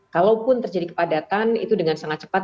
kalaupun terjadi kepadatan itu dengan sangat cepat